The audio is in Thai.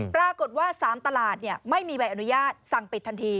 ปรากฏว่า๓ตลาดไม่มีใบอนุญาตสั่งปิดทันที